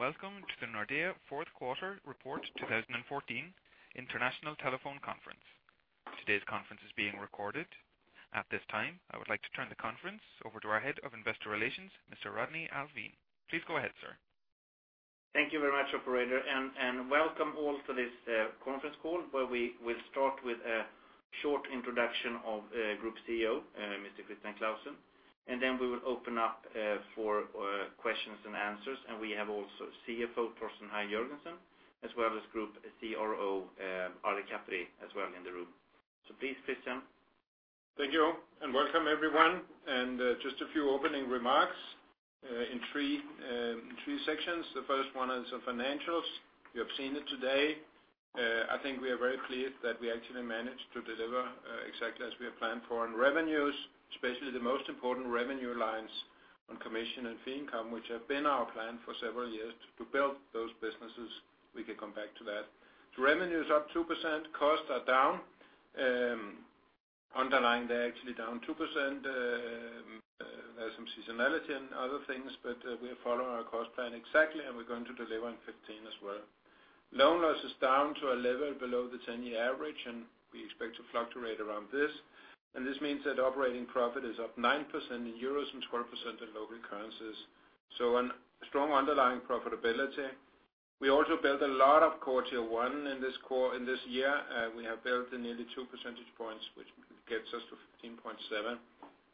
Good day, welcome to the Nordea Fourth Quarter Report 2014 international telephone conference. Today's conference is being recorded. At this time, I would like to turn the conference over to our Head of Investor Relations, Mr. Rodney Alfvén. Please go ahead, sir. Thank you very much, operator, welcome all to this conference call, where we will start with a short introduction of Group CEO, Mr. Christian Clausen, then we will open up for questions and answers. We have also CFO Torsten Hagen Jørgensen as well as Group CRO, Ari Kaperi as well in the room. Please, Christian. Thank you, welcome everyone, just a few opening remarks in three sections. The first one is the financials. You have seen it today. I think we are very pleased that we actually managed to deliver exactly as we have planned for on revenues, especially the most important revenue lines on commission and fee income, which have been our plan for several years to build those businesses. We can come back to that. Revenue is up 2%. Costs are down. Underlying, they are actually down 2%, there is some seasonality and other things, but we are following our cost plan exactly, we are going to deliver on 2015 as well. Loan loss is down to a level below the 10-year average, we expect to fluctuate around this. This means that operating profit is up 9% in EUR and 12% in local currencies. A strong underlying profitability. We also built a lot of Core Tier 1 in this year. We have built in nearly two percentage points, which gets us to 15.7%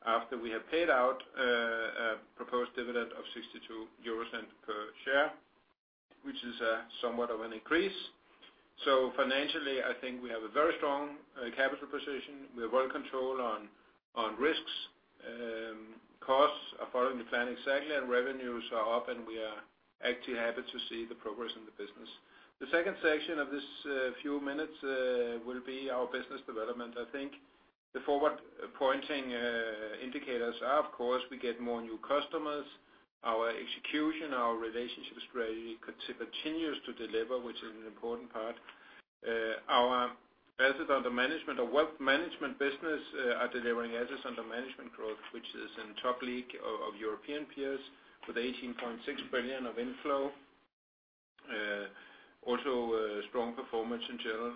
after we have paid out a proposed dividend of 0.62 euros per share, which is somewhat of an increase. Financially, I think we have a very strong capital position. We have well control on risks. Costs are following the plan exactly, revenues are up, we are actually happy to see the progress in the business. The second section of this few minutes will be our business development. I think the forward-pointing indicators are, of course, we get more new customers. Our execution, our relationships really continues to deliver, which is an important part. Our assets under management, our wealth management business are delivering assets under management growth, which is in top league of European peers with 18.6 billion of inflow. A strong performance in general.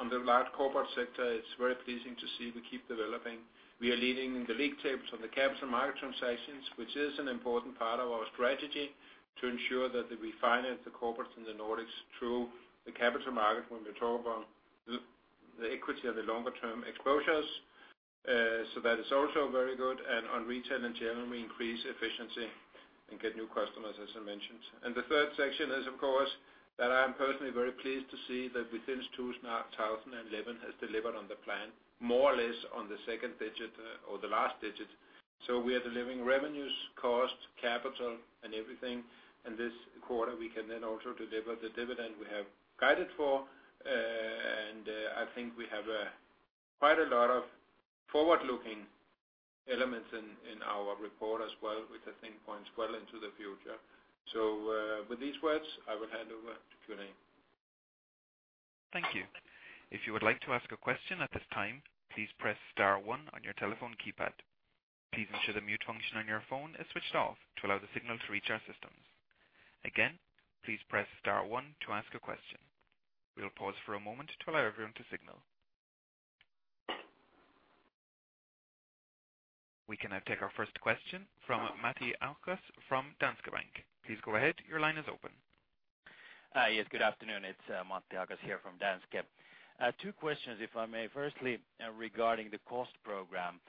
On the large corporate sector, it is very pleasing to see we keep developing. We are leading the league tables on the capital market transactions, which is an important part of our strategy to ensure that we finance the corporates in the Nordics through the capital market when we talk on the equity of the longer-term exposures. That is also very good, and on retail in general, we increase efficiency and get new customers, as I mentioned. The third section is, of course, that I am personally very pleased to see that has delivered on the plan, more or less on the second digit or the last digit. We are delivering revenues, cost, capital, and everything in this quarter. We can then also deliver the dividend we have guided for. I think we have quite a lot of forward-looking elements in our report as well, which I think points well into the future. With these words, I will hand over to Q&A. Thank you. If you would like to ask a question at this time, please press *1 on your telephone keypad. Please ensure the mute function on your phone is switched off to allow the signal to reach our systems. Again, please press *1 to ask a question. We will pause for a moment to allow everyone to signal. We can now take our first question from Matti Ahokas from Danske Bank. Please go ahead. Your line is open. Hi, yes, good afternoon. It is Matti Ahokas here from Danske. Two questions, if I may. Regarding the cost program.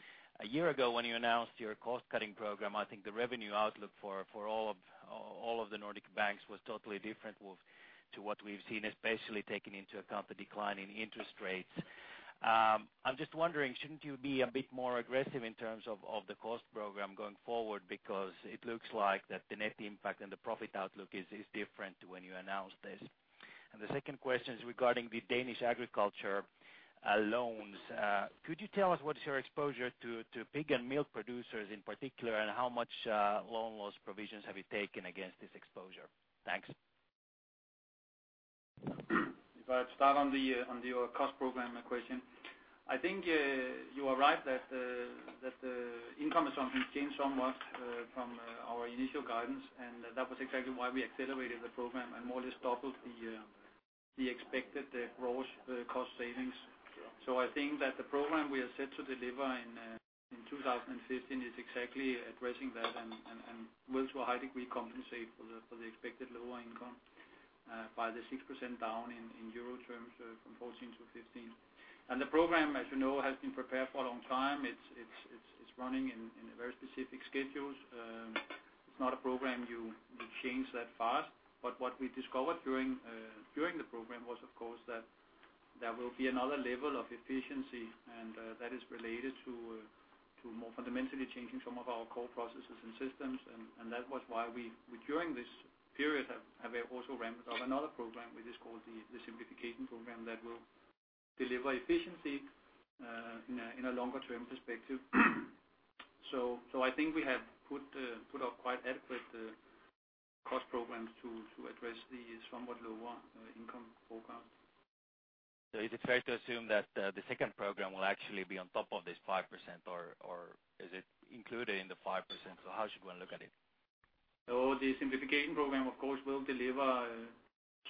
A year ago, when you announced your cost-cutting program, I think the revenue outlook for all of the Nordic banks was totally different to what we have seen, especially taking into account the decline in interest rates. I am just wondering, shouldn't you be a bit more aggressive in terms of the cost program going forward? Because it looks like that the net impact and the profit outlook is different to when you announced this. The second question is regarding the Danish agriculture loans. Could you tell us what is your exposure to pig and milk producers in particular, and how much loan loss provisions have you taken against this exposure? Thanks. I start on your cost program question. I think you are right that the income assumption has changed somewhat from our initial guidance, and that was exactly why we accelerated the program and more or less doubled the expected gross cost savings. I think that the program we are set to deliver in 2015 is exactly addressing that and will, to a high degree, compensate for the expected lower income by the 6% down in EUR terms from 2014 to 2015. The program, as you know, has been prepared for a long time. It's running in very specific schedules. It's not a program you change that fast. What we discovered during the program was, of course, that there will be another level of efficiency, and that is related to more fundamentally changing some of our core processes and systems, and that was why we, during this period, have also ramped up another program we just call the Simplification Program that will deliver efficiency in a longer-term perspective. I think we have put up quite adequate cost programs to address the somewhat lower income forecast. Is it fair to assume that the second program will actually be on top of this 5%, or is it included in the 5%? How should one look at it? No, the Simplification Program, of course, will deliver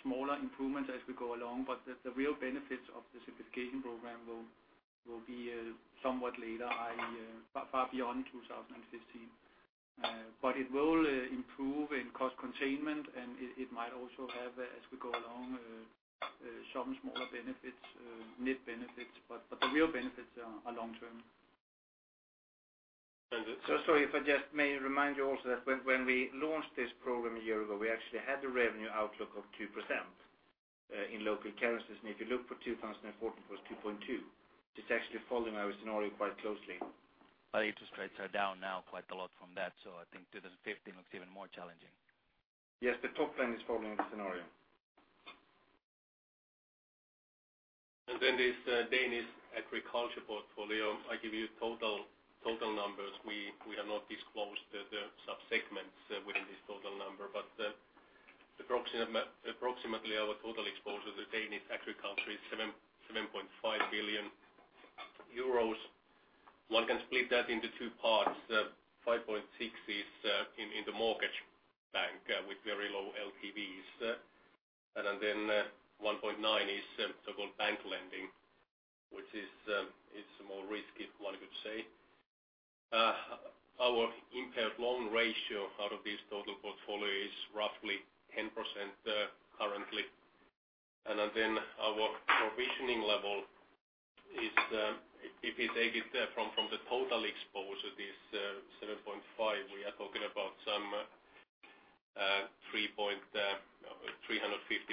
smaller improvements as we go along, but the real benefits of the Simplification Program will be somewhat later, i.e., far beyond 2015. It will improve in cost containment, and it might also have, as we go along, some smaller net benefits. The real benefits are long-term. And- Sorry if I just may remind you also that when we launched this program a year ago, we actually had a revenue outlook of 2% in local currencies. If you look for 2014, it was 2.2%. It's actually following our scenario quite closely. Interest rates are down now quite a lot from that, I think 2015 looks even more challenging. Yes. The top line is following the scenario. This Danish agriculture portfolio, I give you total numbers. We have not disclosed the sub-segments within this total number, approximately our total exposure to Danish agriculture is 7.5 billion euros. One can split that into two parts. 5.6 billion is in the mortgage bank with very low LTVs. 1.9 billion is so-called bank lending, which is more risky, one could say. Our impaired loan ratio out of this total portfolio is roughly 10% currently. Our provisioning level is, if you take it from the total exposure, this 7.5 billion, we are talking about some 350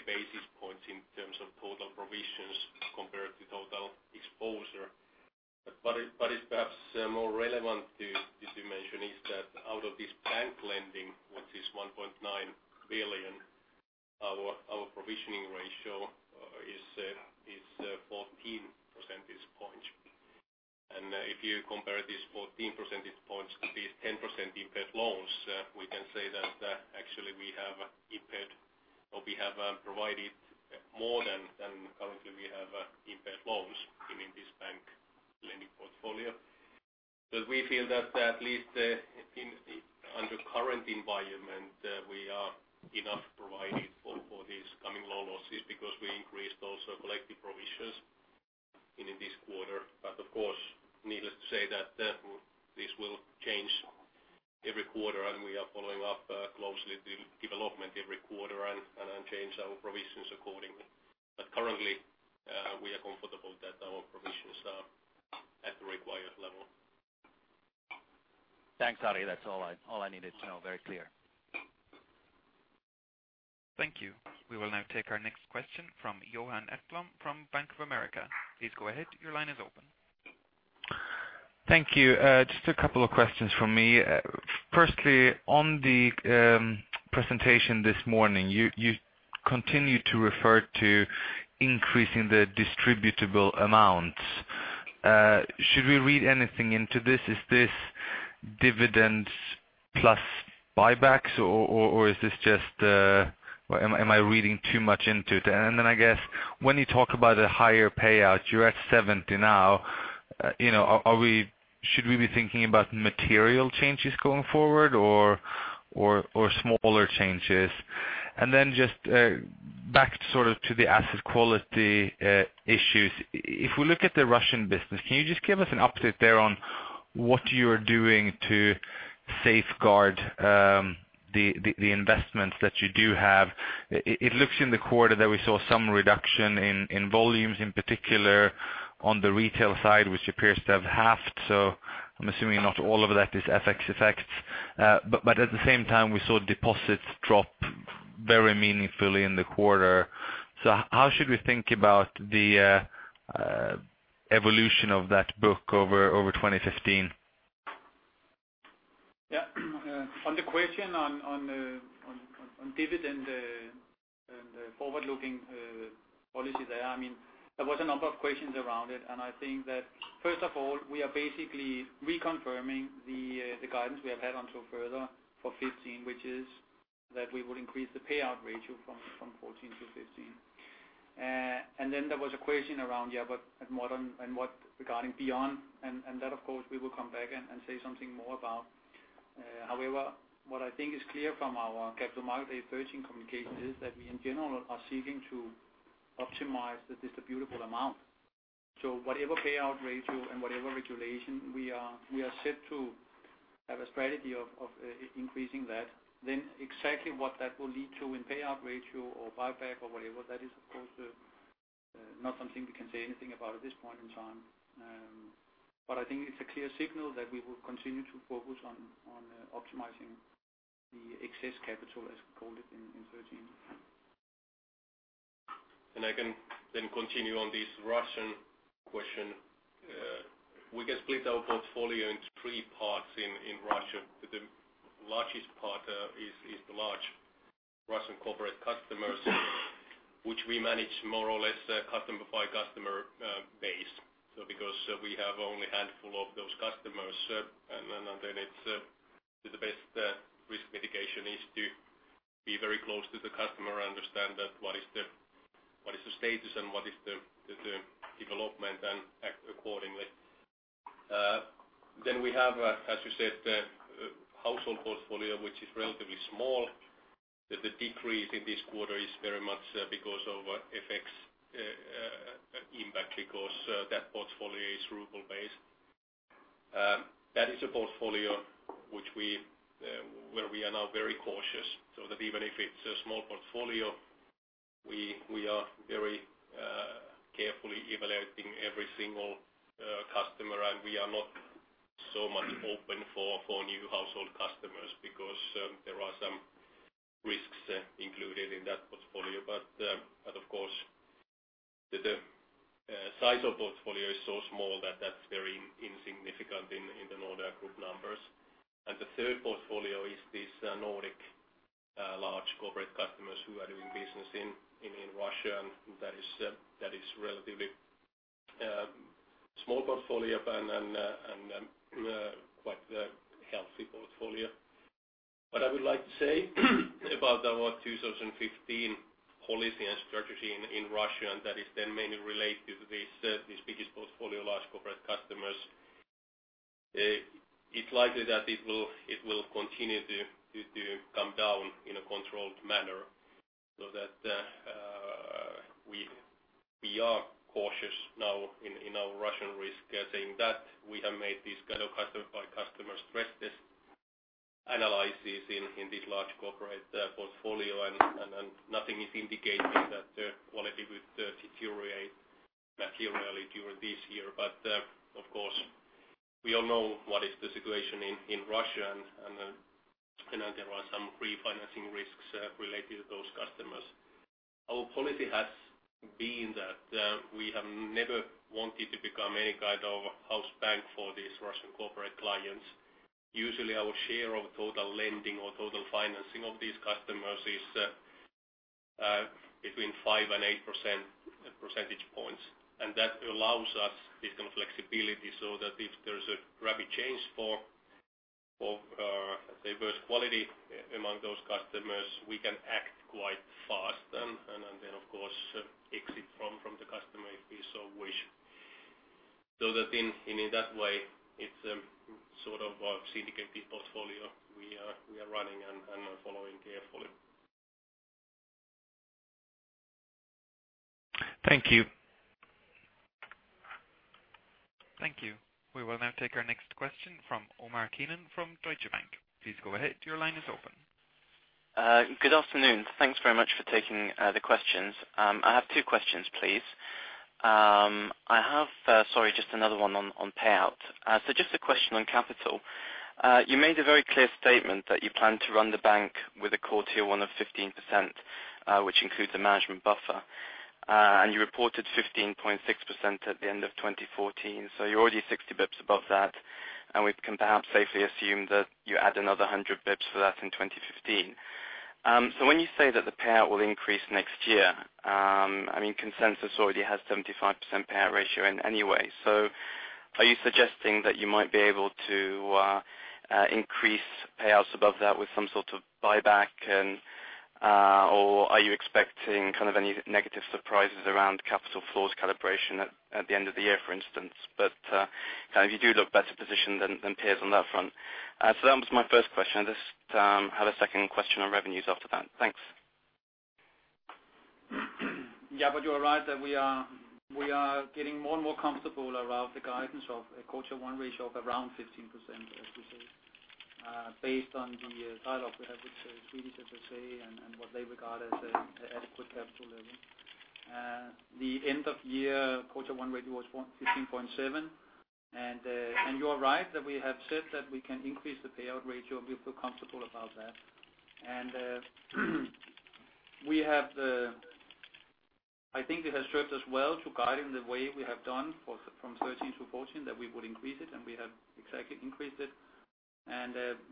basis points in terms of total provisions compared to total exposure. It's perhaps more relevant to mention is that out of this bank lending, which is 1.9 billion, our provisioning ratio is 14 percentage points. If you compare this 14 percentage points to these 10% impaired loans, we can say that actually we have impaired, or we have provided more than currently we have impaired loans in this bank lending portfolio. We feel that at least under current environment, we are enough provided for these coming loan losses because we increased also collective provisions in this quarter. Of course, needless to say that this will change every quarter and we are following up closely the development every quarter and change our provisions accordingly. Currently, we are comfortable that our provisions are at the required level. Thanks, Ari. That's all I needed to know. Very clear. Thank you. We will now take our next question from Johan Ekblom from Bank of America. Please go ahead. Your line is open. Thank you. Just a couple of questions from me. Firstly, on the presentation this morning, you continued to refer to increasing the distributable amounts. Should we read anything into this? Is this dividend plus buybacks, or am I reading too much into it? Then, I guess, when you talk about a higher payout, you're at 70% now. Should we be thinking about material changes going forward or smaller changes? Then just back sort of to the asset quality issues. If we look at the Russian business, can you just give us an update there on what you're doing to safeguard the investments that you do have? It looks in the quarter that we saw some reduction in volumes, in particular on the retail side, which appears to have halved. I'm assuming not all of that is FX effects. We saw deposits drop very meaningfully in the quarter. How should we think about the evolution of that book over 2015? On the question on dividend and forward-looking policies there was a number of questions around it. I think that first of all, we are basically reconfirming the guidance we have had until further for 2015, which is that we would increase the payout ratio from 2014 to 2015. There was a question around, yeah, but regarding beyond, and that of course, we will come back and say something more about. However, what I think is clear from our Capital Markets Day strategy communication is that we in general are seeking to optimize the distributable amount. Whatever payout ratio and whatever regulation we are set to have a strategy of increasing that, then exactly what that will lead to in payout ratio or buyback or whatever, that is, of course, not something we can say anything about at this point in time. I think it's a clear signal that we will continue to focus on optimizing the excess capital, as we called it in 2013. I can then continue on this Russian question. We can split our portfolio into three parts in Russia. The largest part is the large Russian corporate customers, which we manage more or less customer by customer base. Because we have only a handful of those customers, and then it's to be very close to the customer, understand that what is the status and what is the development, and act accordingly. We have, as you said, household portfolio, which is relatively small. The decrease in this quarter is very much because of FX impact, because that portfolio is ruble-based. That is a portfolio where we are now very cautious, so that even if it's a small portfolio, we are very carefully evaluating every single customer, and we are not so much open for new household customers because there are some risks included in that portfolio. Of course, the size of portfolio is so small that's very insignificant in the Nordea Group numbers. The third portfolio is this Nordic large corporate customers who are doing business in Russia, and that is a relatively small portfolio and quite a healthy portfolio. What I would like to say about our 2015 policy and strategy in Russia, and that is then mainly related to this biggest portfolio large corporate customers. It's likely that it will continue to come down in a controlled manner, so that we are cautious now in our Russian risk. Saying that, we have made this kind of customer by customer stress test analysis in this large corporate portfolio. Nothing is indicating that the quality would deteriorate materially during this year. Of course, we all know what is the situation in Russia. There are some refinancing risks related to those customers. Our policy has been that we have never wanted to become any kind of house bank for these Russian corporate clients. Usually, our share of total lending or total financing of these customers is between 5% and 8% percentage points. That allows us this kind of flexibility so that if there's a rapid change for, say, worse quality among those customers, we can act quite fast and then, of course, exit from the customer if we so wish. In that way, it's sort of a syndicated portfolio we are running and are following carefully. Thank you. Thank you. We will now take our next question from Omar Keenan from Deutsche Bank. Please go ahead. Your line is open. Good afternoon. Thanks very much for taking the questions. I have two questions, please. I have just another one on payout. Just a question on capital. You made a very clear statement that you plan to run the bank with a Core Tier 1 of 15%, which includes a management buffer. You reported 15.6% at the end of 2014, you are already 60 basis points above that, and we can perhaps safely assume that you add another 100 basis points to that in 2015. When you say that the payout will increase next year, consensus already has 75% payout ratio anyway. Are you suggesting that you might be able to increase payouts above that with some sort of buyback, or are you expecting any negative surprises around capital flows calibration at the end of the year, for instance? You do look better positioned than peers on that front. That was my first question. I just have a second question on revenues after that. Thanks. You are right that we are getting more and more comfortable around the guidance of a Core Tier 1 ratio of around 15%, as you say, based on the dialogue we have with Swedish FSA and what they regard as an adequate capital level. The end of year Core Tier 1 ratio was 15.7%, and you are right that we have said that we can increase the payout ratio, and we feel comfortable about that. I think it has served us well to guide in the way we have done from 2013 to 2014, that we would increase it, and we have exactly increased it.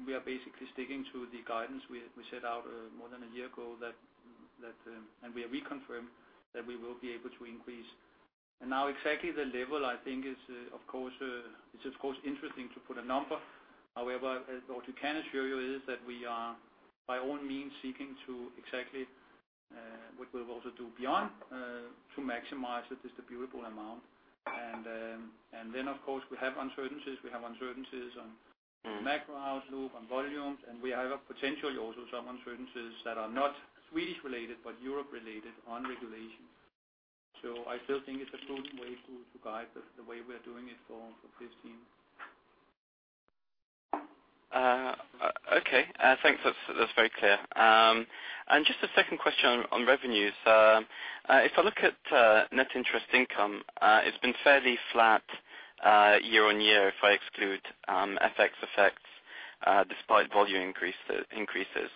We are basically sticking to the guidance we set out more than a year ago, and we reconfirm that we will be able to increase. Now exactly the level, I think it is of course interesting to put a number. However, what we can assure you is that we are, by all means, seeking to exactly what we will also do beyond, to maximize the distributable amount. Of course, we have uncertainties. We have uncertainties on macro outlook, on volumes, and we have potentially also some uncertainties that are not Swedish-related, but Europe-related on regulations. I still think it is a prudent way to guide us the way we are doing it for 2015. Okay. Thanks. That's very clear. Just a second question on revenues. If I look at net interest income, it's been fairly flat year-over-year if I exclude FX effects despite volume increases.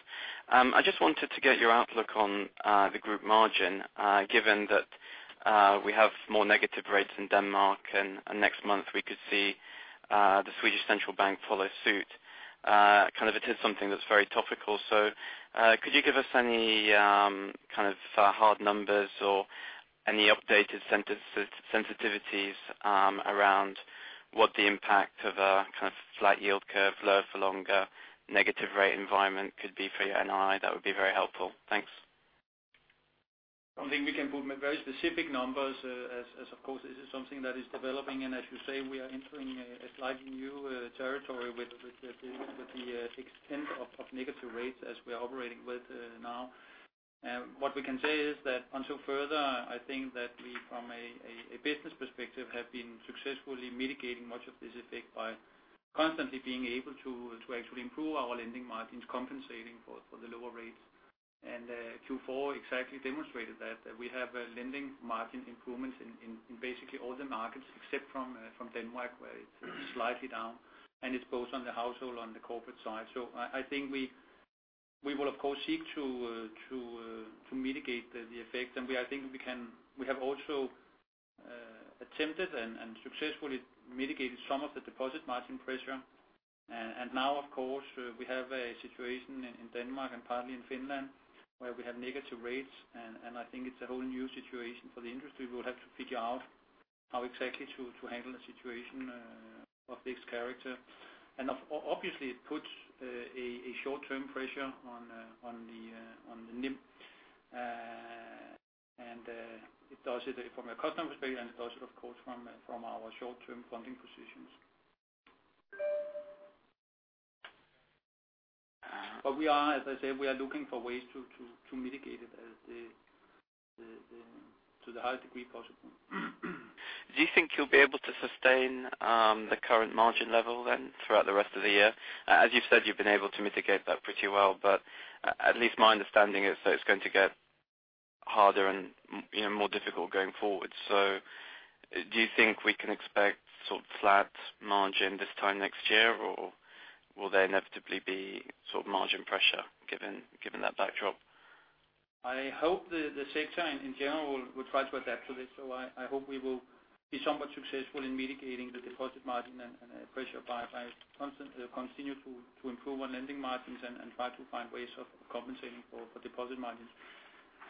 I just wanted to get your outlook on the group margin, given that we have more negative rates in Denmark, and next month we could see the Sveriges Riksbank follow suit. It is something that's very topical. Could you give a sense Any kind of hard numbers or any updated sensitivities around what the impact of a kind of flat yield curve, lower for longer negative rate environment could be for your NII? That would be very helpful. Thanks. I don't think we can put very specific numbers, as of course, this is something that is developing. As you say, we are entering a slightly new territory with the extent of negative rates as we are operating with now. What we can say is that until further, I think that we, from a business perspective, have been successfully mitigating much of this effect by constantly being able to actually improve our lending margins, compensating for the lower rates. Q4 exactly demonstrated that. We have lending margin improvements in basically all the markets except from Denmark, where it's slightly down, and it's both on the household, on the corporate side. I think we will, of course, seek to mitigate the effect. I think we have also attempted and successfully mitigated some of the deposit margin pressure. Now, of course, we have a situation in Denmark and partly in Finland where we have negative rates, and I think it's a whole new situation for the industry. We'll have to figure out how exactly to handle a situation of this character. Obviously it puts a short-term pressure on the NIM. It does it from a customer perspective, and it does it, of course, from our short-term funding positions. As I said, we are looking for ways to mitigate it to the highest degree possible. Do you think you'll be able to sustain the current margin level then throughout the rest of the year? As you've said, you've been able to mitigate that pretty well, but at least my understanding is that it's going to get harder and more difficult going forward. Do you think we can expect sort of flat margin this time next year, or will there inevitably be sort of margin pressure given that backdrop? I hope the sector in general will try to adapt to this, so I hope we will be somewhat successful in mitigating the deposit margin and pressure by constantly continue to improve on lending margins and try to find ways of compensating for deposit margins.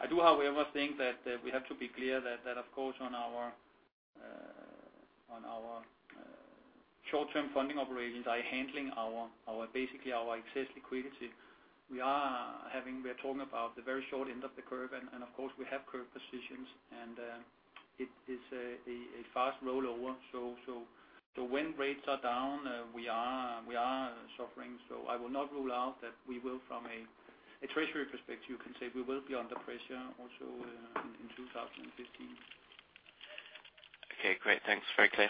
I do, however, think that we have to be clear that, of course on our short-term funding operations are handling basically our excess liquidity. We're talking about the very short end of the curve, and of course we have curve positions, and it is a fast rollover. When rates are down, we are suffering. I will not rule out that we will, from a treasury perspective, you can say we will be under pressure also in 2015. Okay, great. Thanks. Very clear.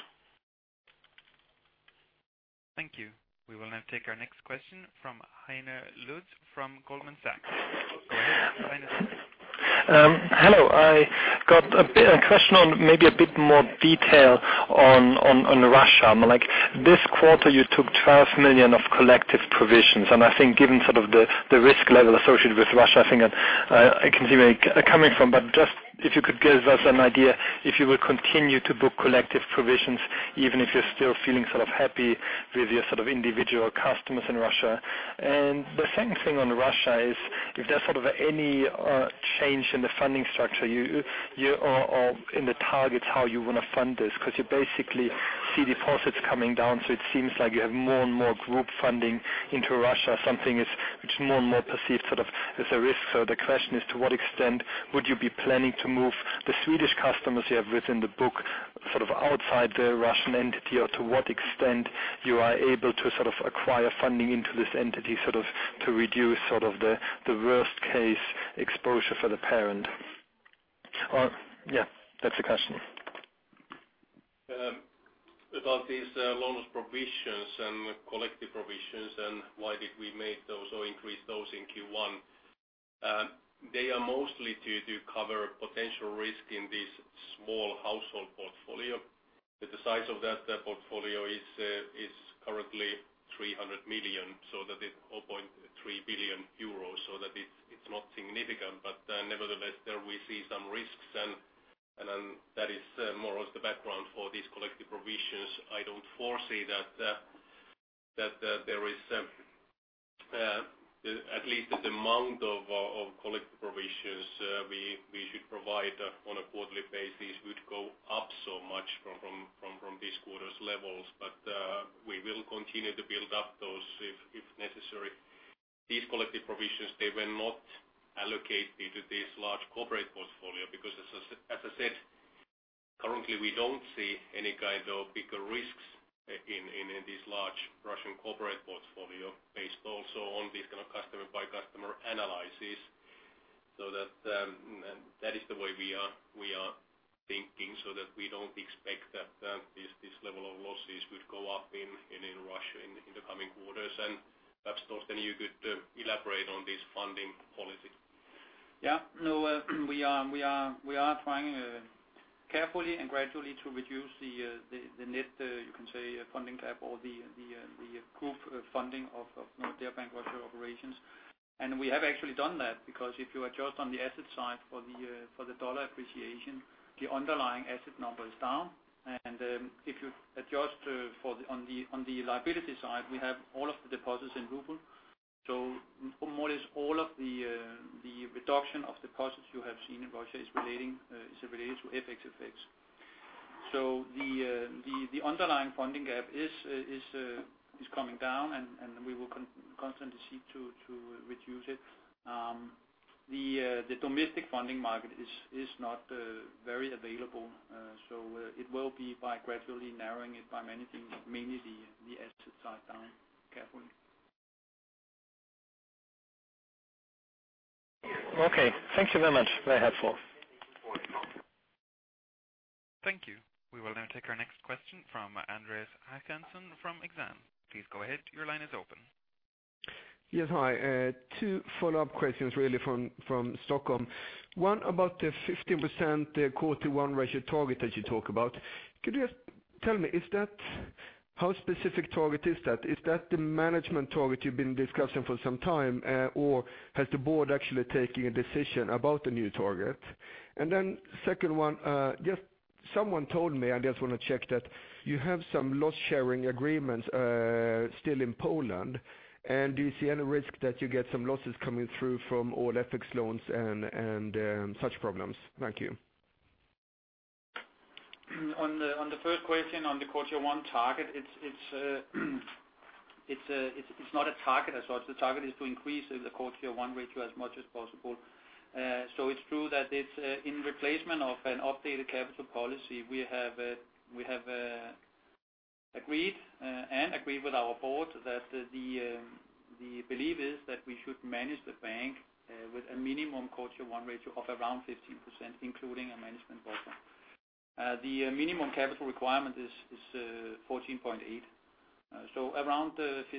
Thank you. We will now take our next question from Heiner Lutz from Goldman Sachs. Go ahead, Heiner. Hello. I got a question on maybe a bit more detail on Russia. This quarter you took 12 million of collective provisions, and I think given sort of the risk level associated with Russia, I think I can see where you're coming from. Just if you could give us an idea if you will continue to book collective provisions, even if you're still feeling sort of happy with your sort of individual customers in Russia. The second thing on Russia is if there's sort of any change in the funding structure or in the targets how you want to fund this, because you basically see deposits coming down. It seems like you have more and more group funding into Russia, something which is more and more perceived sort of as a risk. The question is, to what extent would you be planning to move the Swedish customers you have within the book, sort of outside the Russian entity? Or to what extent you are able to sort of acquire funding into this entity, sort of to reduce the worst case exposure for the parent? That's the question. About these loans provisions and collective provisions and why did we make those or increase those in Q1. They are mostly to cover potential risk in this small household portfolio. The size of that portfolio is currently 300 million, so that it's 3 billion euros, so that it's not significant. Nevertheless, there we see some risks, that is more or less the background for these collective provisions. I don't foresee that there is at least that the amount of collective provisions we should provide on a quarterly basis would go up so much from this quarter's levels. We will continue to build up those if necessary. These collective provisions, they were not allocated to this large corporate portfolio because, as I said, currently we don't see any kind of bigger risks in this large Russian corporate portfolio based also on this kind of customer-by-customer analysis. That is the way we are thinking, we don't expect that this level of losses would go up in Russia in the coming quarters. Perhaps Torsten, you could elaborate on this funding policy. We are trying carefully and gradually to reduce the net, you can say funding gap or the group funding of Nordea Bank Russia operations. We have actually done that because if you adjust on the asset side for the USD appreciation, the underlying asset number is down. If you adjust on the liability side, we have all of the deposits in RUB. More or less all of the reduction of deposits you have seen in Russia is related to FX effects. The underlying funding gap is coming down, and we will constantly seek to reduce it. The domestic funding market is not very available, it will be by gradually narrowing it by many things, mainly the asset side down carefully. Okay. Thank you very much. Very helpful. Thank you. We will now take our next question from Andreas Håkansson from Exane. Please go ahead. Your line is open. Yes, hi. Two follow-up questions really from Stockholm. One about the 15% Core Tier 1 ratio target that you talk about. Could you just tell me, how specific target is that? Is that the management target you've been discussing for some time, or has the board actually taken a decision about the new target? Second one, someone told me, I just want to check, that you have some loss sharing agreements still in Poland. Do you see any risk that you get some losses coming through from all FX loans and such problems? Thank you. On the first question on the Core Tier 1 target, it's not a target as such. The target is to increase the Core Tier 1 ratio as much as possible. It's true that it's in replacement of an updated capital policy. We have agreed, and agreed with our board, that the belief is that we should manage the bank with a minimum Core Tier 1 ratio of around 15%, including a management buffer. The minimum capital requirement is 14.8. Around 15%,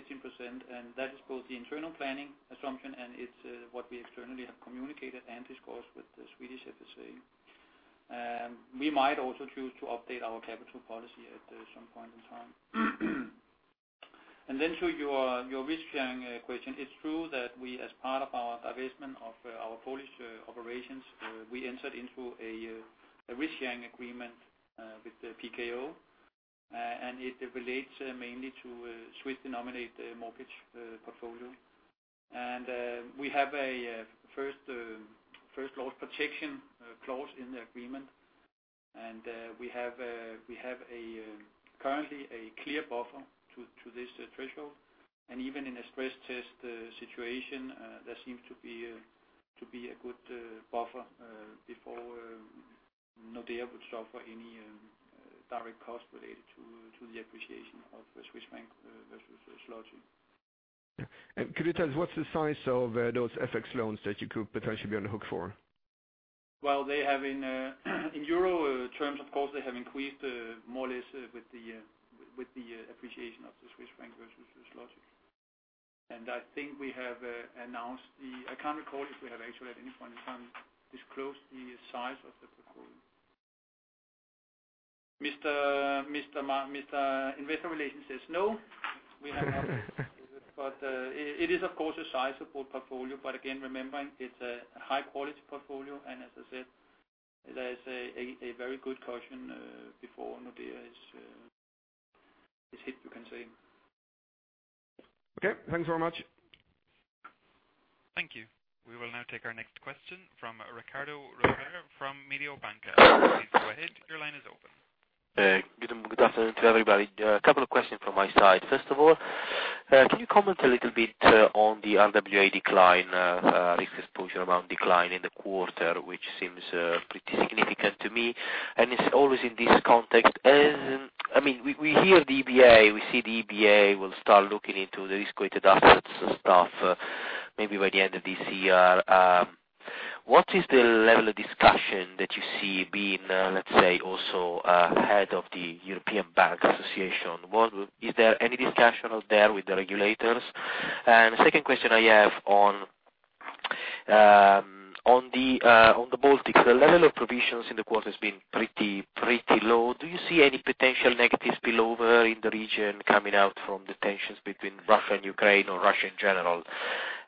and that is both the internal planning assumption and it's what we externally have communicated and discussed with the Swedish FSA. We might also choose to update our capital policy at some point in time. To your risk-sharing question, it's true that we, as part of our divestment of our Polish operations, we entered into a risk-sharing agreement with the PKO. It relates mainly to Swiss-denominated mortgage portfolio. We have a first loss protection clause in the agreement. We have currently a clear buffer to this threshold. Even in a stress test situation, there seems to be a good buffer before Nordea would suffer any direct cost related to the appreciation of the Swiss franc versus the zloty. Yeah. Could you tell us what's the size of those FX loans that you could potentially be on the hook for? Well, in Euro terms, of course, they have increased more or less with the appreciation of the Swiss franc versus the zloty. I think we have announced the I can't recall if we have actually at any point in time disclosed the size of the portfolio. Mr. Investor Relations says, "No, we have not." It is, of course, a sizable portfolio. Again, remembering it's a high-quality portfolio, and as I said, there's a very good cushion before Nordea is hit, you can say. Okay. Thanks very much. Thank you. We will now take our next question from Riccardo Rovere from Mediobanca. Please go ahead. Your line is open. Good afternoon to everybody. A couple of questions from my side. First of all, can you comment a little bit on the RWA decline, Risk Exposure Amount decline in the quarter, which seems pretty significant to me, and it's always in this context. We hear the EBA, we see the EBA will start looking into the Risk-Weighted Assets stuff maybe by the end of this year. What is the level of discussion that you see being, let's say, also ahead of the European Banking Authority? Is there any discussion out there with the regulators? The second question I have on the Baltics, the level of provisions in the quarter has been pretty low. Do you see any potential negatives spillover in the region coming out from the tensions between Russia and Ukraine or Russia in general?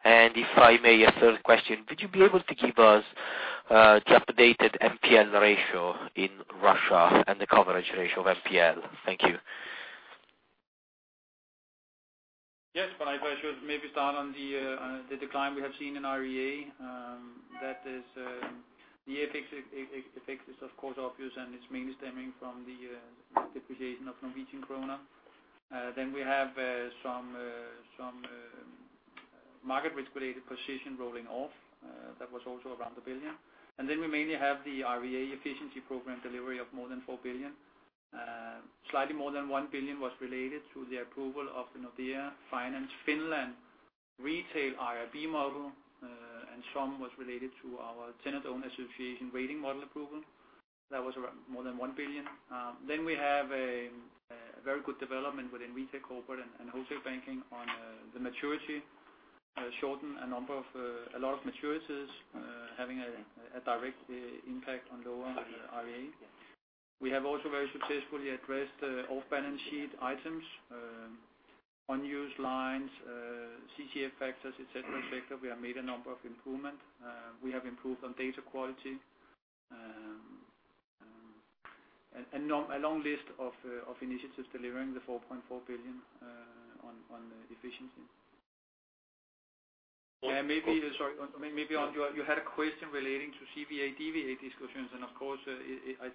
If I may, a third question, would you be able to give us the updated NPL ratio in Russia and the coverage ratio of NPL? Thank you. Yes, I should maybe start on the decline we have seen in RWA. The FX effect is of course obvious, and it's mainly stemming from the depreciation of Norwegian krone. We have some market risk-related position rolling off that was also around 1 billion. We mainly have the RWA efficiency program delivery of more than 4 billion. Slightly more than 1 billion was related to the approval of the Nordea Finance Finland retail IRB model, and some was related to our tenant-owner association rating model approval. That was more than 1 billion. We have a very good development within retail, corporate, and wholesale banking on the maturity. Shorten a lot of maturities having a direct impact on lower RWA. We have also very successfully addressed off-balance-sheet items, unused lines, CCF factors, et cetera. We have made a number of improvement. We have improved on data quality. A long list of initiatives delivering the 4.4 billion on efficiency. Yeah. Sorry. Maybe you had a question relating to CVA, DVA discussions, and of course, I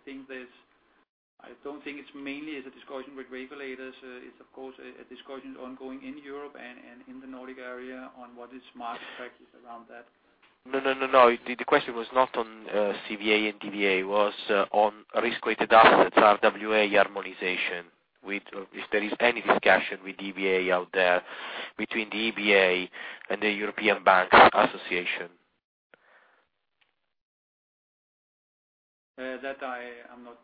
don't think it's mainly a discussion with regulators. It's of course a discussion ongoing in Europe and in the Nordic area on what is smart practice around that. No. The question was not on CVA and DVA. It was on risk-weighted assets, RWA harmonization. If there is any discussion with EBA out there, between the EBA and the European Banking Authority. That I'm not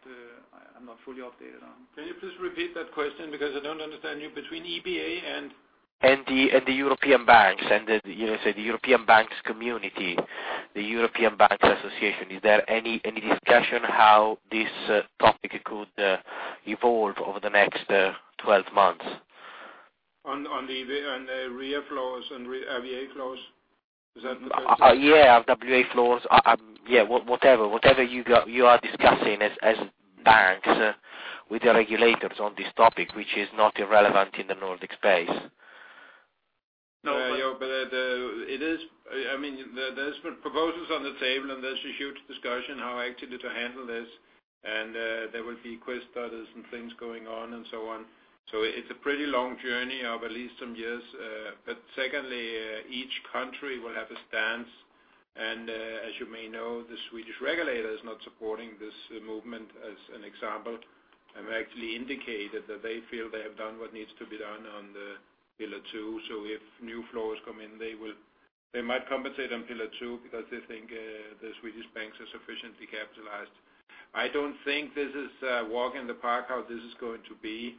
fully updated on. Can you please repeat that question because I don't understand you, between EBA and? The European banks and the European banks community, the European Banking Authority. Is there any discussion how this topic could evolve over the next 12 months? On the RWA floors? Is that the question? Yeah. RWA floors. Whatever you are discussing as banks with the regulators on this topic, which is not irrelevant in the Nordic space. There's been proposals on the table, and there's a huge discussion how actually to handle this. There will be QIS studies and things going on and so on. It's a pretty long journey of at least some years. Secondly, each country will have a stance, and as you may know, the Swedish FSA is not supporting this movement as an example, and actually indicated that they feel they have done what needs to be done on the Pillar 2. If new floors come in, they might compensate on Pillar 2 because they think the Swedish banks are sufficiently capitalized. I don't think this is a walk in the park how this is going to be.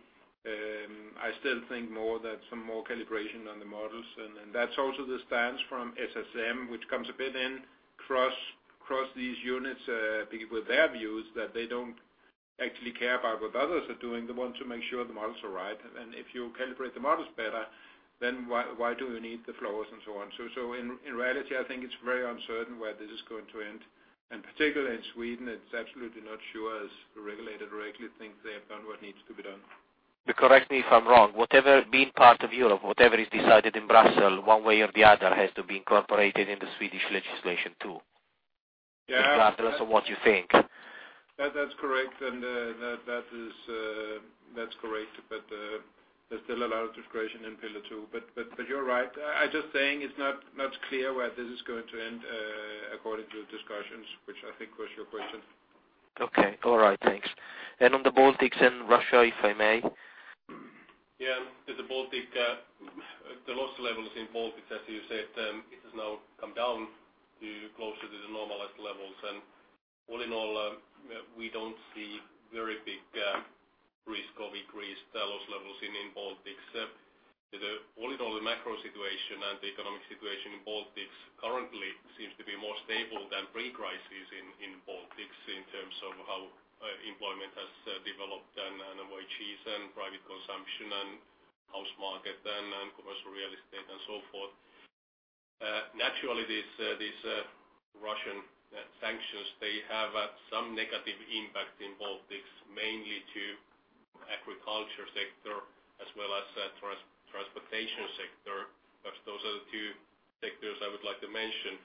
I still think more that some more calibration on the models. That's also the stance from SSM, which comes a bit in cross these units with their views that they don't actually care about what others are doing. They want to make sure the models are right. If you calibrate the models better, then why do we need the floors and so on. In reality, I think it's very uncertain where this is going to end. Particularly in Sweden, it's absolutely not sure as the regulator directly thinks they have done what needs to be done. Correct me if I'm wrong. Being part of Europe, whatever is decided in Brussels, one way or the other, has to be incorporated in the Swedish legislation, too. Yeah. Regardless of what you think. That's correct. There's still a lot of discretion in Pillar 2. You're right. I'm just saying it's not clear where this is going to end according to the discussions, which I think was your question. Okay. All right. Thanks. On the Baltics and Russia, if I may. Yeah. The loss levels in Baltics, as you said, it has now come down to closer to the normalized levels. All in all, we don't see very big risk of increased loss levels in Baltics. All in all, the macro situation and the economic situation in Baltics currently seems to be more stable than pre-crisis in Baltics in terms of how employment has developed and wages and private consumption and house market and commercial real estate and so forth. Naturally, these Russian sanctions, they have some negative impact in Baltics, mainly to agriculture sector as well as transportation sector. Those are the two sectors I would like to mention.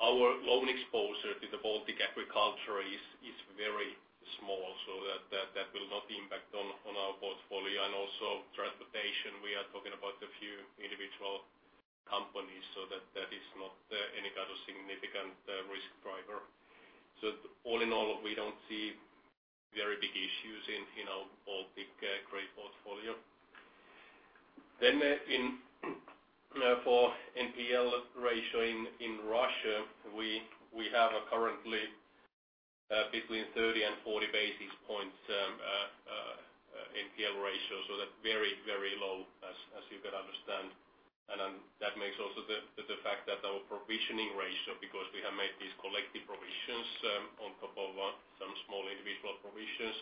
Our loan exposure to the Baltic agriculture is very small, so that will not impact on our portfolio. Also transportation, we are talking about a few individual companies, so that is not any kind of significant risk driver. All in all, we don't see very big issues in our Baltic credit portfolio. For NPL ratio in Russia, we have currently between 30 and 40 basis points NPL ratio, that's very low as you can understand. That makes also the fact that our provisioning ratio, because we have made these collective provisions on top of some small individual provisions,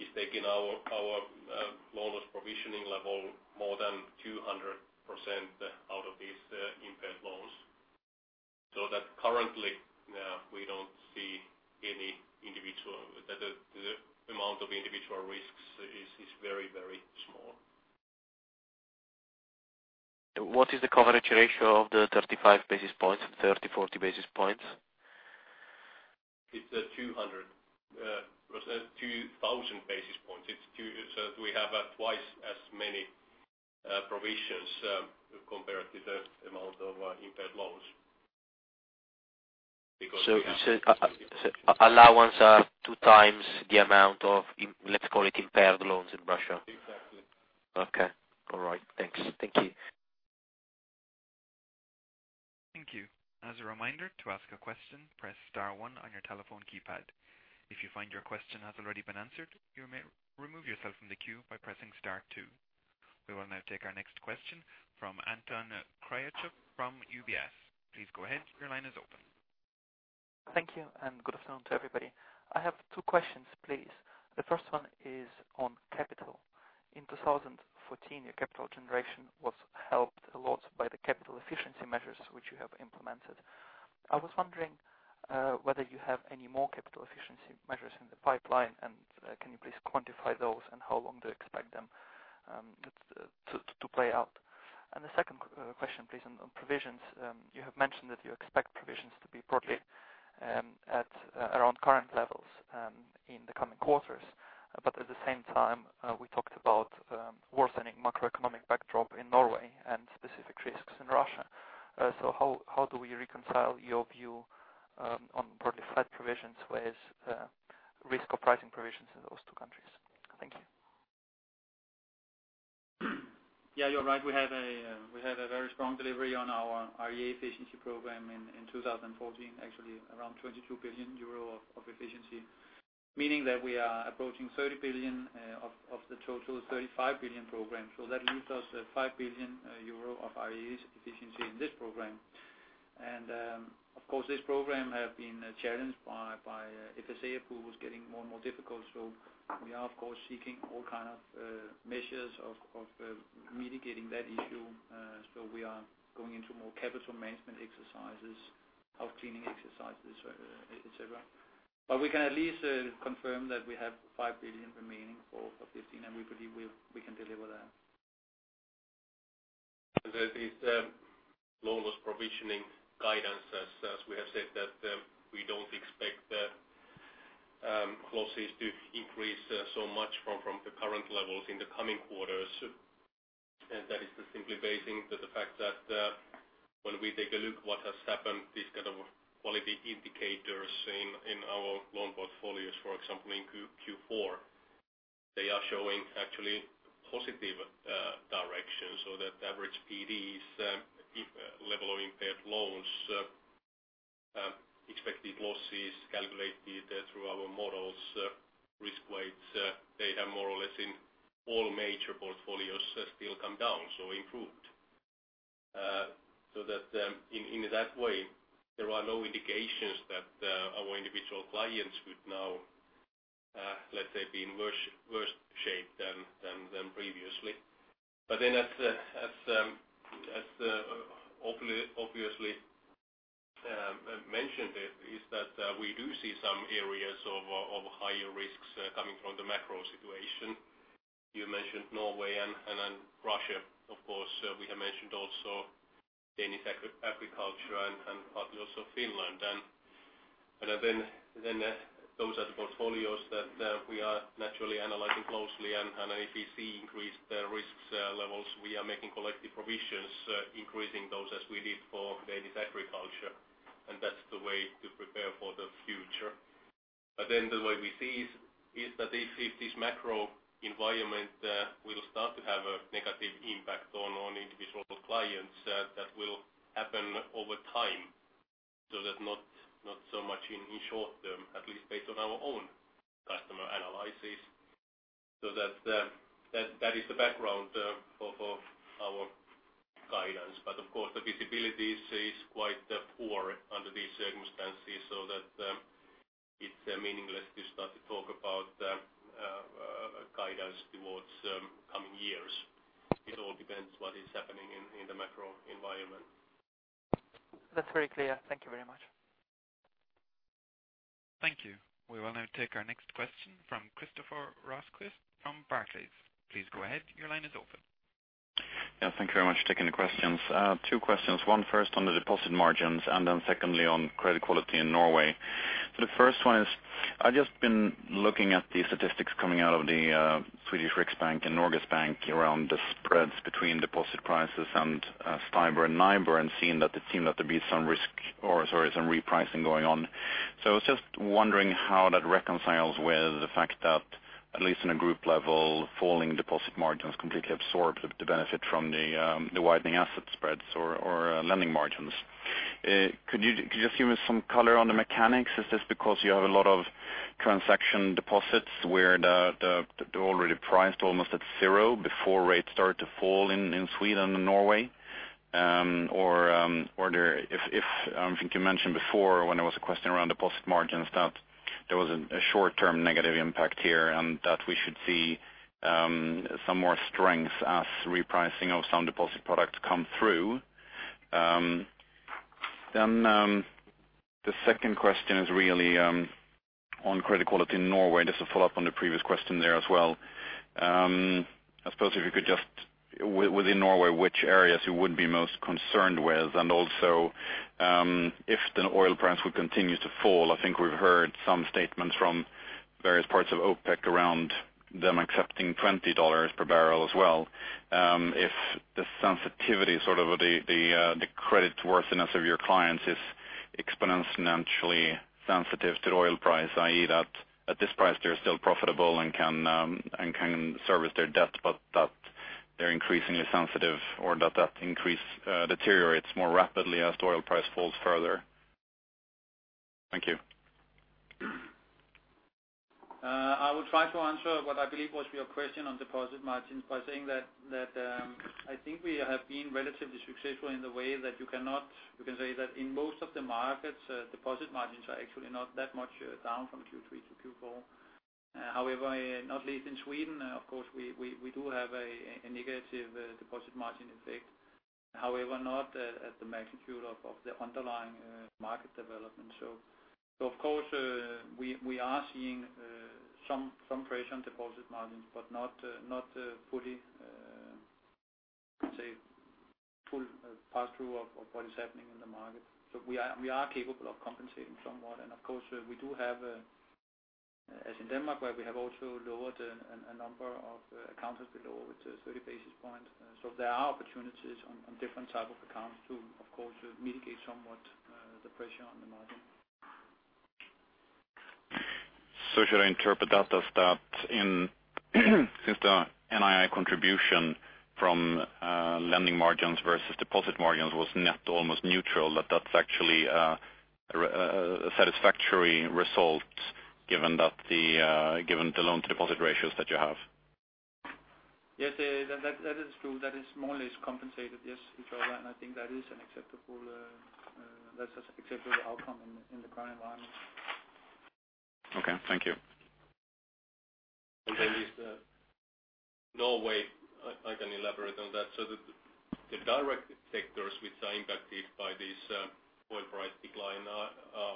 is taking our lowest provisioning level more than 200% out of these impaired loans. That currently, we don't see any individual. The amount of individual risks is very small. What is the coverage ratio of the 35 basis points, 30, 40 basis points? It's 2,000 basis points. We have twice as many provisions compared to the amount of impaired loans because we have. Allowance are two times the amount of, let's call it impaired loans in Russia. Exactly. Okay. All right. Thanks. Thank you. Thank you. As a reminder, to ask a question, press star one on your telephone keypad. If you find your question has already been answered, you may remove yourself from the queue by pressing star two. We will now take our next question from Anton Kriuchkov from UBS. Please go ahead. Your line is open. Thank you, good afternoon to everybody. I have two questions, please. First one is on capital. In 2014, your capital generation was helped a lot by the capital efficiency measures which you have implemented. I was wondering whether you have any more capital efficiency measures in the pipeline, and can you please quantify those and how long do you expect them to play out? Second question, please, on provisions, you have mentioned that you expect provisions to be broadly at around current levels in the coming quarters. At the same time, we talked about worsening macroeconomic backdrop in Norway and specific risks in Russia. How do we reconcile your view on broadly flat provisions with risk of pricing provisions in those two countries? Thank you. You're right. We have a very strong delivery on our efficiency program in 2014, actually around 22 billion euro of efficiency, meaning that we are approaching 30 billion of the total 35 billion program. That leaves us a 5 billion euro of IAE efficiency in this program. Of course, this program has been challenged by FSA, who was getting more and more difficult. We are, of course, seeking all kind of measures of mitigating that issue. We are going into more capital management exercises, health cleaning exercises, et cetera. We can at least confirm that we have 5 billion remaining for 2015, and we believe we can deliver that. There is lowest provisioning guidance, as we have said that we don't expect the losses to increase so much from the current levels in the coming quarters. That is just simply basing the fact that when we take a look what has happened, this kind of quality indicators in our loan portfolios, for example, in Q4, they are showing actually positive direction, so that average PDs, level of impaired loans expected losses calculated through our models, risk weights, they have more or less in all major portfolios still come down, so improved. In that way, there are no indications that our individual clients could now, let's say, be in worse shape than previously. As obviously mentioned is that we do see some areas of higher risks coming from the macro situation. You mentioned Norway and then Russia. Of course, we have mentioned also Danish agriculture and partly also Finland. Those are the portfolios that we are naturally analyzing closely. If we see increased risks levels, we are making collective provisions increasing those as we did for Danish agriculture. That's the way to prepare for the future. The way we see is that if this macro environment will start to have a negative impact on individual clients, that will happen over time. That's not so much in short term, at least based on our own customer analysis. That is the background of our guidance. Of course, the visibility is quite poor under these circumstances, so that it's meaningless to start to talk about guidance towards coming years. It all depends what is happening in the macro environment. That's very clear. Thank you very much. Thank you. We will now take our next question from Christopher Ranquist from Barclays. Please go ahead. Your line is open. Thank you very much for taking the questions. Two questions. One first on the deposit margins, and then secondly on credit quality in Norway. The first one is, I've just been looking at the statistics coming out of the Sveriges Riksbank and Norges Bank around the spreads between deposit prices and STIBOR and NIBOR, and seen that it seemed that there'd be some risk, or sorry, some repricing going on. I was just wondering how that reconciles with the fact that at least in a group level, falling deposit margins completely absorb the benefit from the widening asset spreads or lending margins. Could you just give me some color on the mechanics? Is this because you have a lot of transaction deposits where they're already priced almost at zero before rates start to fall in Sweden and Norway? If you mentioned before when there was a question around deposit margins that there was a short-term negative impact here, and that we should see some more strength as repricing of some deposit products come through. The second question is really on credit quality in Norway. Just to follow up on the previous question there as well. I suppose if you could just, within Norway, which areas you would be most concerned with? Also, if the oil price would continue to fall, I think we've heard some statements from various parts of OPEC around them accepting $20 per barrel as well. If the sensitivity sort of the creditworthiness of your clients is exponentially sensitive to oil price, i.e., that at this price they're still profitable and can service their debt, but that they're increasingly sensitive or that increase deteriorates more rapidly as the oil price falls further. Thank you. I will try to answer what I believe was your question on deposit margins by saying that I think we have been relatively successful in the way that you can say that in most of the markets, deposit margins are actually not that much down from Q3 to Q4. However, not least in Sweden, of course, we do have a negative deposit margin effect. However, not at the magnitude of the underlying market development. Of course, we are seeing some pressure on deposit margins, but not fully, say, full passthrough of what is happening in the market. We are capable of compensating somewhat. Of course, we do have, as in Denmark, where we have also lowered a number of accounts below with 30 basis points. There are opportunities on different type of accounts to, of course, mitigate somewhat the pressure on the margin. Should I interpret that as that since the NII contribution from lending margins versus deposit margins was net almost neutral, that's actually a satisfactory result given the loan-to-deposit ratios that you have? Yes, that is true. That is more or less compensated, yes. I think that's an acceptable outcome in the current environment. Okay. Thank you. Norway. I can elaborate on that. The direct sectors which are impacted by this oil price decline are,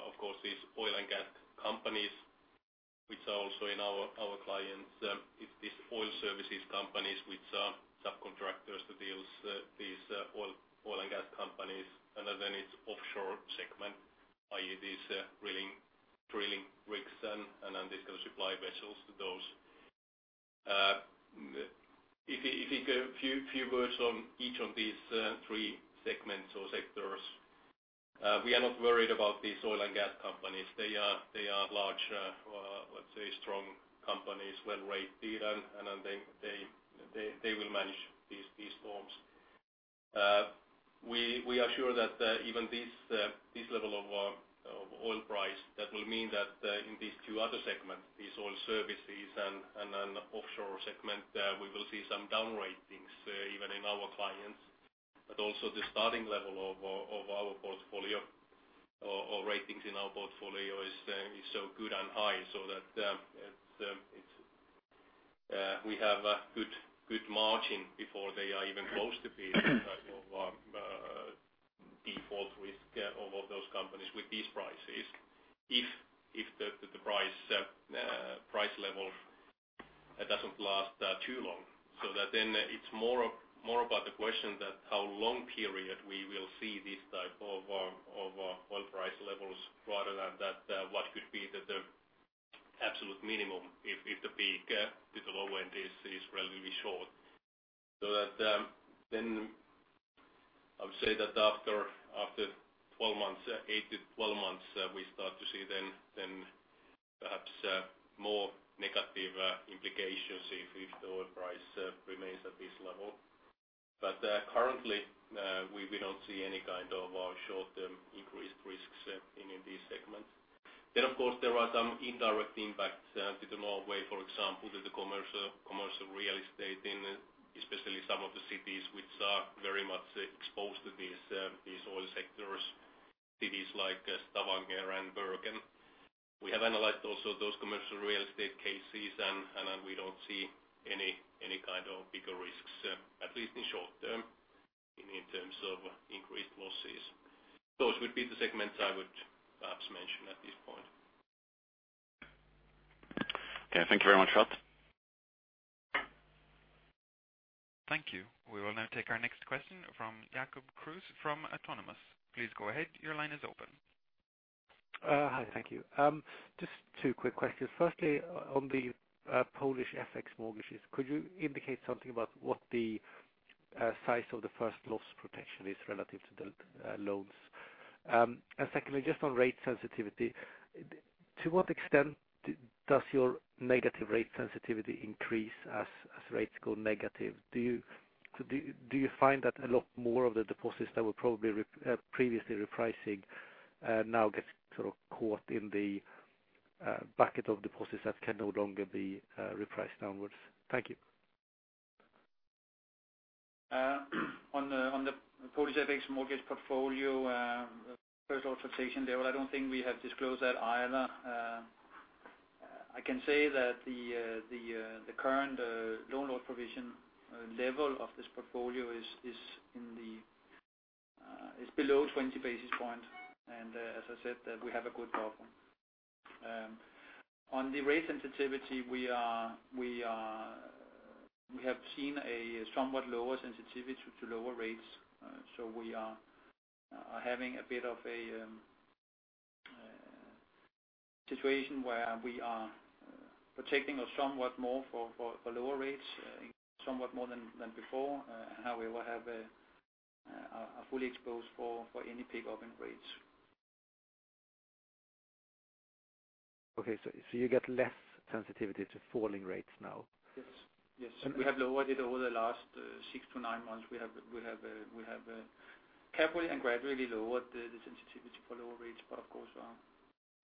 of course, these oil and gas companies, which are also in our clients. It's these oil services companies which are subcontractors that deal with these oil and gas companies. It's offshore segment, i.e., these drilling rigs and these kind of supply vessels to those. If you go a few words on each of these three segments or sectors, we are not worried about these oil and gas companies. They are large, let's say, strong companies when rated, they will manage these storms. We are sure that even this level of oil price, that will mean that in these two other segments, these oil services and offshore segment, we will see some down ratings even in our clients. Also the starting level of our portfolio or ratings in our portfolio is so good and high so that we have a good margin before they are even close to being default risk of those companies with these prices if the price level doesn't last too long. It's more about the question that how long period we will see this type of oil price levels rather than what could be the absolute minimum if the peak to the low end is relatively short. I would say that after 8-12 months, we start to see then perhaps more negative implications if the oil price remains at this level. Currently, we don't see any kind of short-term increased risks in these segments. Of course, there are some indirect impacts to Norway, for example, to the commercial real estate in especially some of the cities which are very much exposed to these oil sectors, cities like Stavanger and Bergen. We have analyzed also those commercial real estate cases, and we don't see any kind of bigger risks, at least in short term in terms of increased losses. Those would be the segments I would perhaps mention at this point. Okay. Thank you very much, Ari. Thank you. We will now take our next question from Jacob Kruse from Autonomous Research. Please go ahead. Your line is open. Hi. Thank you. Just two quick questions. Firstly, on the Polish FX mortgages, could you indicate something about what the size of the first loss protection is relative to the loans? Secondly, just on rate sensitivity, to what extent does your negative rate sensitivity increase as rates go negative? Do you find that a lot more of the deposits that were probably previously repricing now get sort of caught in the bucket of deposits that can no longer be repriced downwards? Thank you. On the Polish FX mortgage portfolio, first loss protection level, I don't think we have disclosed that either. I can say that the current loan loss provision level of this portfolio is below 20 basis points, and as I said, we have a good buffer. On the rate sensitivity, we have seen a somewhat lower sensitivity to lower rates. We are having a bit of a situation where we are protecting somewhat more for lower rates, somewhat more than before. However, we have a fully exposed for any pick-up in rates. Okay, you get less sensitivity to falling rates now? Yes. We have lowered it over the last six to nine months. We have carefully and gradually lowered the sensitivity for lower rates. Of course-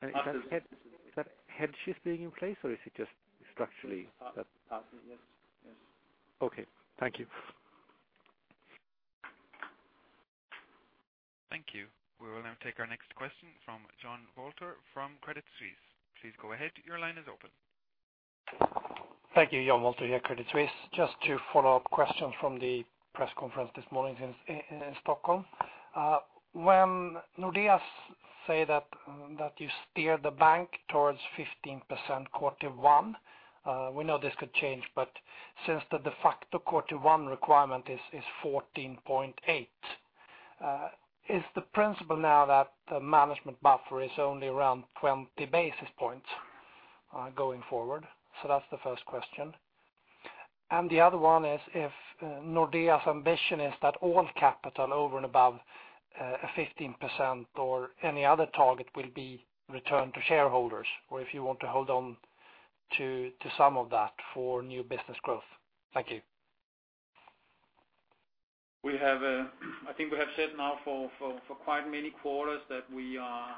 Is that hedges being in place, or is it just structurally that- Yes. Okay. Thank you. Thank you. We will now take our next question from John Walter from Credit Suisse. Please go ahead. Your line is open. Thank you. John Walter here, Credit Suisse. Just two follow-up questions from the press conference this morning in Stockholm. When Nordea say that you steer the bank towards 15% Core Tier 1, we know this could change, but since the de facto Core Tier 1 requirement is 14.8%, is the principle now that the management buffer is only around 20 basis points going forward? That's the first question. The other one is if Nordea's ambition is that all capital over and above 15% or any other target will be returned to shareholders, or if you want to hold on to some of that for new business growth. Thank you. I think we have said now for quite many quarters that we are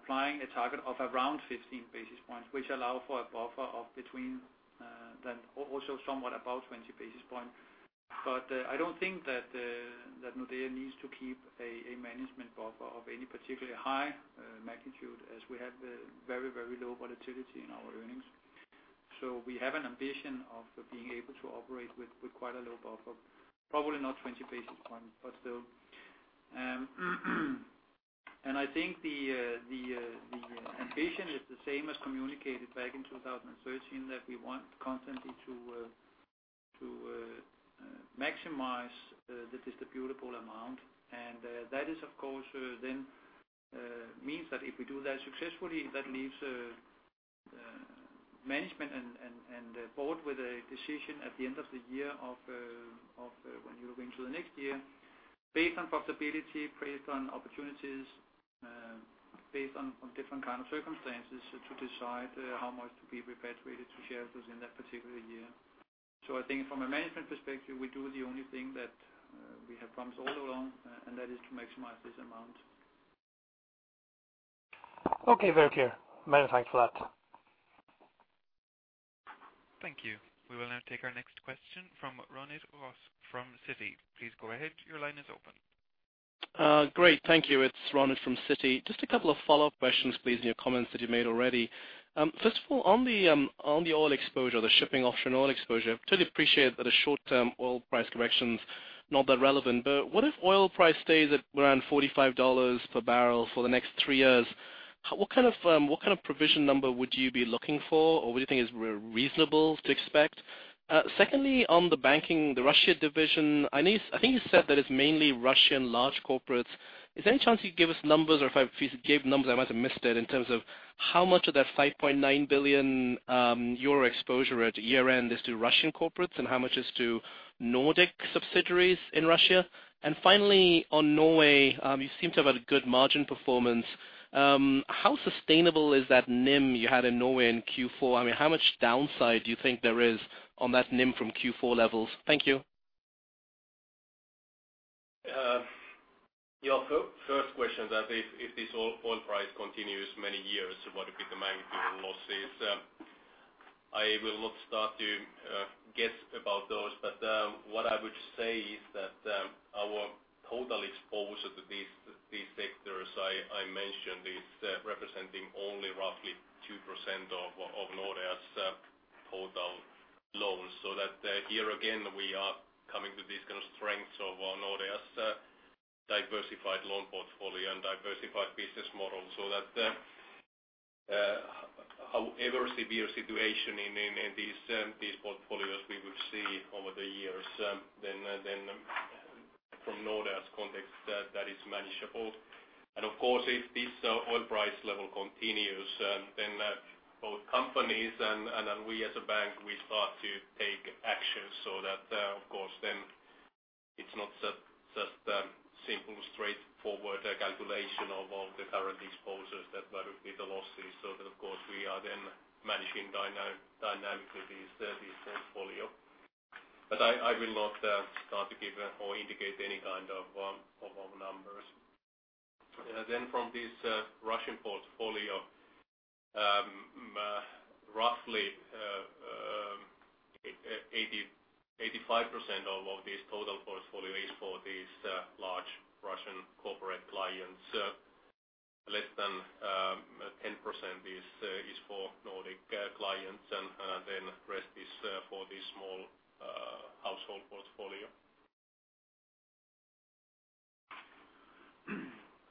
applying a target of around 15 basis points, which allow for a buffer of between then also somewhat above 20 basis points. I don't think that Nordea needs to keep a management buffer of any particularly high magnitude as we have very low volatility in our earnings. We have an ambition of being able to operate with quite a low buffer, probably not 20 basis points, but still. I think the ambition is the same as communicated back in 2013, that we want constantly to maximize the distributable amount. That of course means that if we do that successfully, that leaves management and the board with a decision at the end of the year of when you're going to the next year based on profitability, based on opportunities, based on different kind of circumstances to decide how much to be repatriated to shareholders in that particular year. I think from a management perspective, we do the only thing that we have promised all along, and that is to maximize this amount. Very clear. Many thanks for that. Thank you. We will now take our next question from Ronit Ghose from Citi. Please go ahead. Your line is open. Great. Thank you. It's Ronit from Citi. Just a couple of follow-up questions, please, in your comments that you made already. First of all, on the oil exposure, the shipping offshore and oil exposure, totally appreciate that a short-term oil price correction's not that relevant. What if oil price stays at around $45 per barrel for the next three years, what kind of provision number would you be looking for, or what do you think is reasonable to expect? Secondly, on the banking, the Russia division, I think you said that it's mainly Russian large corporates. Is there any chance you give us numbers, or if you gave numbers I might have missed it, in terms of how much of that 5.9 billion euro exposure at year-end is to Russian corporates and how much is to Nordic subsidiaries in Russia? Finally, on Norway, you seem to have had a good margin performance. How sustainable is that NIM you had in Norway in Q4? How much downside do you think there is on that NIM from Q4 levels? Thank you. Your first question that if this oil price continues many years, what would be the magnitude of losses? I will not start to guess about those, but what I would say is that our total exposure to these sectors I mentioned is representing only roughly 2% of Nordea's total loans. Here again, we are coming to these kind of strengths of Nordea's diversified loan portfolio and diversified business model, however severe situation in these portfolios we would see over the years, then from Nordea's context, that is manageable. Of course, if this oil price level continues, then both companies and then we as a bank, we start to take actions of course then it's not such a simple, straightforward calculation of all the current exposures that would be the losses. Of course we are then managing dynamically this portfolio. I will not start to give or indicate any kind of numbers. From this Russian portfolio, roughly 85% of this total portfolio is for these large Russian corporate clients. Less than 10% is for Nordic clients and rest is for the small household portfolio.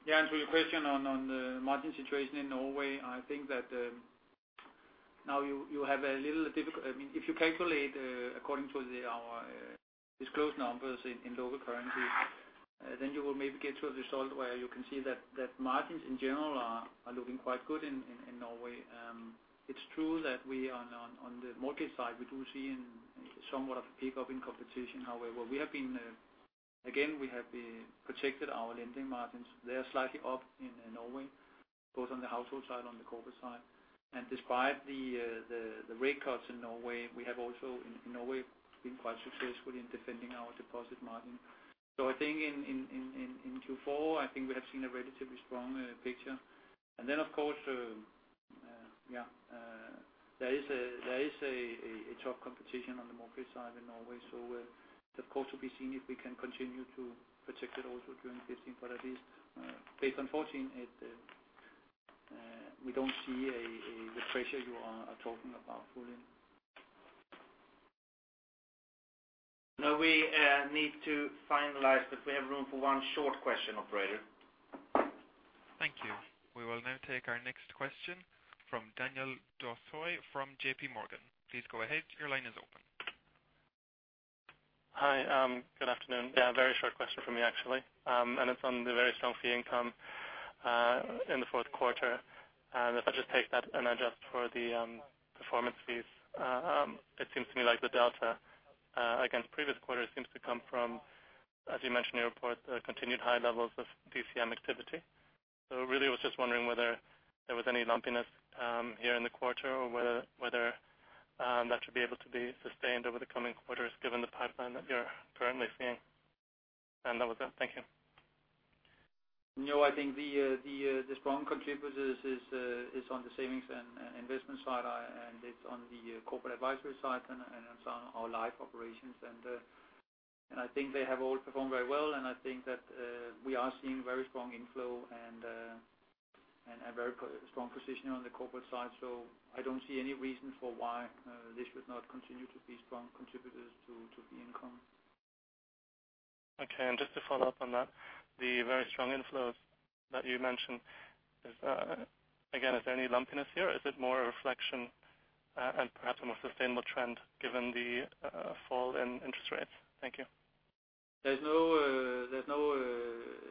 Ron, to your question on the margin situation in Norway, I think that now you have a little difficult. If you calculate according to our disclosed numbers in local currency, you will maybe get to a result where you can see that margins in general are looking quite good in Norway. It's true that we are on the market side, we do see somewhat of a pickup in competition. However, again, we have protected our lending margins. They are slightly up in Norway, both on the household side and on the corporate side. Despite the rate cuts in Norway, we have also in Norway been quite successful in defending our deposit margin. I think in Q4, I think we have seen a relatively strong picture. Yeah. There is a tough competition on the mortgage side in Norway. That, of course, will be seen if we can continue to protect it also during 2015. At least based on 2014, we don't see the pressure you are talking about falling. Now we need to finalize, but we have room for one short question, operator. Thank you. We will now take our next question from Daniel Doheny from JP Morgan. Please go ahead. Your line is open. Hi. Good afternoon. Yeah, a very short question from me actually, it's on the very strong fee income in the fourth quarter. If I just take that and adjust for the performance fees, it seems to me like the delta against previous quarters seems to come from, as you mentioned in your report, the continued high levels of DCM activity. Really, I was just wondering whether there was any lumpiness here in the quarter or whether that should be able to be sustained over the coming quarters given the pipeline that you're currently seeing. That was it. Thank you. I think the strong contributors is on the savings and investment side, it's on the corporate advisory side and some our life operations. I think they have all performed very well, I think that we are seeing very strong inflow and a very strong position on the corporate side. I don't see any reason for why this should not continue to be strong contributors to the income. Just to follow up on that, the very strong inflows that you mentioned, again, is there any lumpiness here? Is it more a reflection and perhaps a more sustainable trend given the fall in interest rates? Thank you. There's no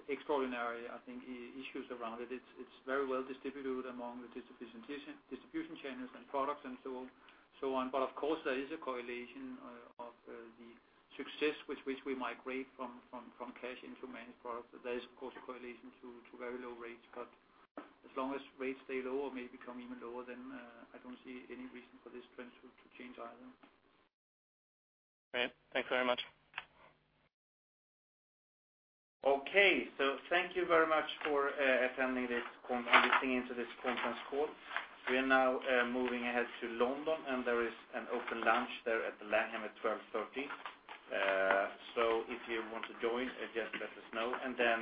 extraordinary, I think, issues around it. It's very well distributed among the distribution channels and products and so on. Of course, there is a correlation of the success with which we migrate from cash into managed products. There is, of course, a correlation to very low rates. As long as rates stay low or maybe become even lower, I don't see any reason for this trend to change either. Great. Thanks very much. Thank you very much for attending this call and listening in to this conference call. We are now moving ahead to London, and there is an open lunch there at the Langham at 12:30. If you want to join, just let us know, and then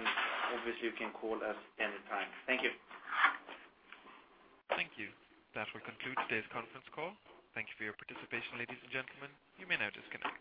obviously you can call us anytime. Thank you. Thank you. That will conclude today's conference call. Thank you for your participation, ladies and gentlemen. You may now disconnect.